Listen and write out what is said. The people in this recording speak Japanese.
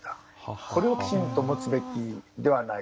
これをきちんと持つべきではないか。